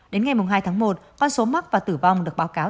đến ngày hai tháng một con số mắc và tử vong được báo cáo